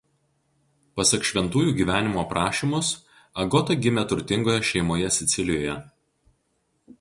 Pasak šventųjų gyvenimų aprašymus Agota gimė turtingoje šeimoje Sicilijoje.